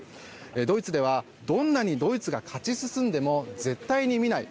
ドイツでは、どんなにドイツが勝ち進んでも絶対に見ない。